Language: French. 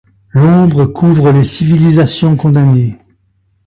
L’ombre couvre les civilisations condamnées.